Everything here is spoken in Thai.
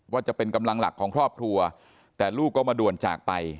ว่าจะเป็นกำลังหลักของครอบครัวแต่ลูกก็มาด่วนจากไป